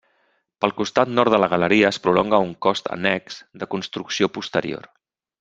Pel costat nord de la galeria es prolonga un cos annex de construcció posterior.